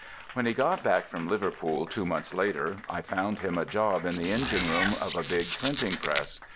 When he got back from Liverpool, two months later, I found him a job in the engine room of a big printing press.